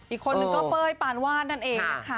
อีกคนนึงก็เป้ยปานวาดนั่นเองนะคะ